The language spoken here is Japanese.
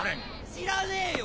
知らねぇよ！